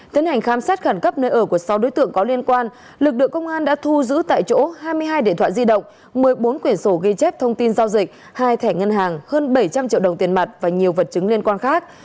tiến hành khám xét khẩn cấp nơi ở của sáu đối tượng có liên quan lực lượng công an đã thu giữ tại chỗ hai mươi hai điện thoại di động một mươi bốn quyển sổ ghi chép thông tin giao dịch hai thẻ ngân hàng hơn bảy trăm linh triệu đồng tiền mặt và nhiều vật chứng liên quan khác